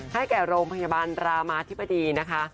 ให้แก่โรงพยาบาลรามาธิบดีนะคะ